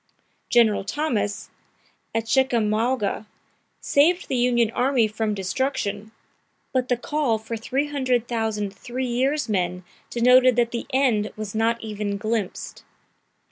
General Thomas, at Chickamauga, saved the Union Army from destruction, but the call for 300,000 three years' men denoted that the end was not even glimpsed.